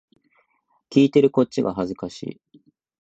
聞いてるこっちが恥ずかしい